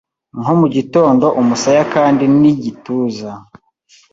nko mugitondo umusaya kandi niigituza